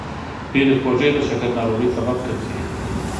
ډېرې خوږې د شکرې ناروغۍ سبب ګرځي.